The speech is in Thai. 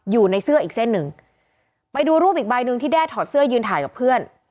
อยู่ในเสื้ออีกเส้นหนึ่งไปดูรูปอีกใบหนึ่งที่แด้ถอดเสื้อยืนถ่ายกับเพื่อน